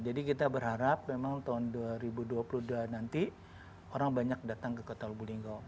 jadi kita berharap memang tahun dua ribu dua puluh dua nanti orang banyak datang ke kota lubuk lingga